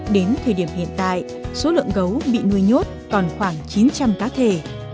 đến thời điểm hiện tại số lượng gấu bị nuôi nhốt còn khoảng chín trăm linh cá thể